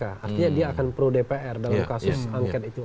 artinya dia akan pro dpr dalam kasus angket itu